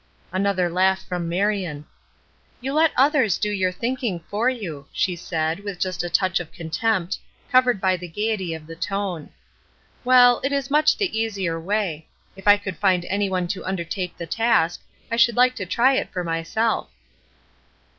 Another laugh from Marion. "You let others do your thinking for you," she said, with just a touch of contempt, covered by the gayety of the tone. "Well, it is much the easier way. If I could find anyone to undertake the task, I should like to try it for myself."